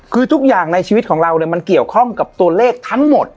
คือทุกอย่างในชีวิตของเราเนี่ยมันเกี่ยวข้องกับตัวเลขทั้งหมด